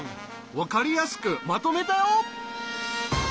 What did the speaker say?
分かりやすくまとめたよ。